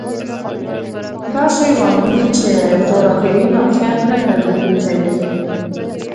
داسې وانګېري چې جغرافیوي موقعیت نه بدلېدونکی دی.